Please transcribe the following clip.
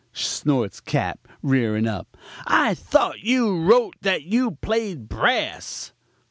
snorts Cap., rearing up; 'I thought you wrote that you played brass?'